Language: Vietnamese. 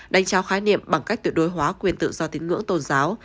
đánh trao khái niệm bằng cách tuyệt đối hóa quyền tự do tín ngưỡng tôn giáo